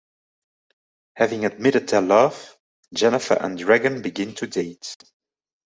Having admitted their love, Jennifer and Dragon begin to date.